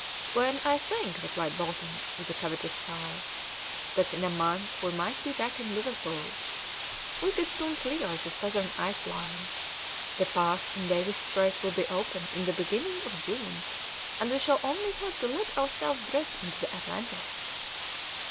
"When I think," replied Bolton, with a covetous sigh, "that in a month we might be back in Liverpool; we could soon clear the southern ice line. The pass in Davis's Straits will be open in the beginning of June, and we shall only have to let ourselves drift into the Atlantic."